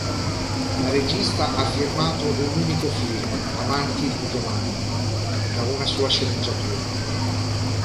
Da regista ha firmato un unico film, "Amanti di domani", da una sua sceneggiatura.